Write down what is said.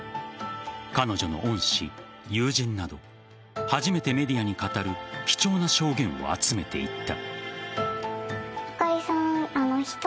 彼女の恩師、友人など初めてメディアに語る貴重な証言を集めていった。